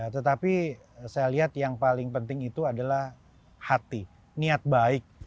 tetapi saya lihat yang paling penting itu adalah hati niat baik